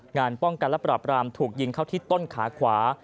งานป้องกันและปราบรามถูกยิงเข้าที่ต้นขาขวา